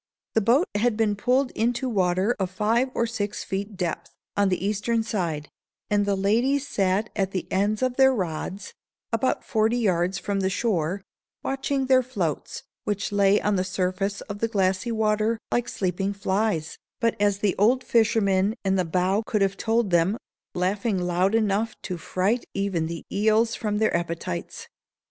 The boat had been pulled into water of five or six feet depth, on the eastern side, and the ladies sat at the ends of their rods, about forty yards from the shore, watching their floats, which lay on the surface of the glassy water like sleeping flies, but, as the old fisherman in the bow could have told them, laughing loud enough to fright even the eels from their appetites.